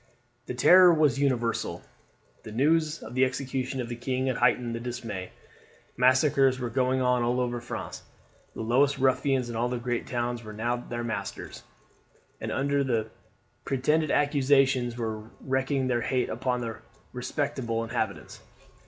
The terror was universal. The news of the execution of the king had heightened the dismay. Massacres were going on all over France. The lowest ruffians in all the great towns were now their masters, and under pretended accusations were wreaking their hate upon the respectable inhabitants.